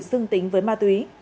dương tính với ma túy